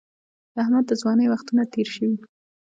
د احمد د ځوانۍ وختونه تېر شوي